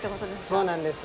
そうなんです。